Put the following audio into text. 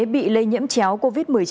bị lây nhiễm chéo covid một mươi chín